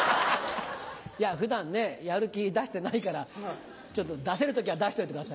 いや普段ねやる気出してないから出せる時は出しといてください。